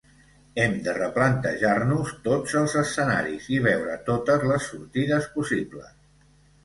Hem de replantejar-nos tots els escenaris i veure totes les sortides possibles.